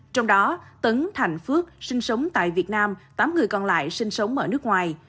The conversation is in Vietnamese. trong đó tấn thành phước sinh sống tại việt nam tám người còn lại sinh sống ở nước ngoài